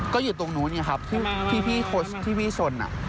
ก็อยู่ตรงนู้นเนี่ยครับที่พี่โค้ชที่พี่ชนอ่ะ